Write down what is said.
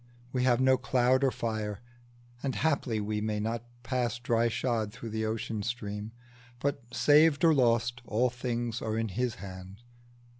We have no cloud or fire, and haply we May not pass dry shod through the ocean stream; But, saved or lost, all things are in His hand."